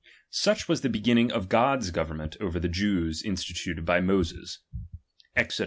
Such was the begin "'"■"^'"''' ning of God's government over the Jews instituted by Moses, (Exod.